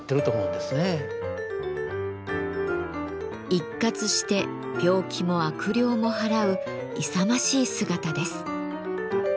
一喝して病気も悪霊も払う勇ましい姿です。